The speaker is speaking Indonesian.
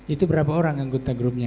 itu berapa orang yang gonta grupnya